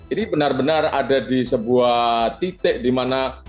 ini benar benar ada di sebuah titik dimana